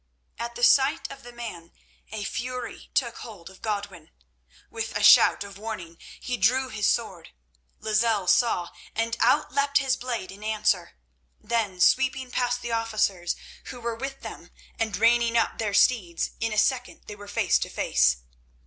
At the sight of the man a fury took hold of Godwin. With a shout of warning he drew his sword. Lozelle saw, and out leapt his blade in answer. Then sweeping past the officers who were with them and reining up their steeds, in a second they were face to face.